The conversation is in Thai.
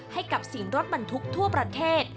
ให้กับสิ่งรถบรรทุกทั่วประเทศ